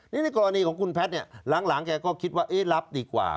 นี่ในกรณีของคุณแพทย์เนี่ยหลังแกก็คิดว่ารับดีกว่า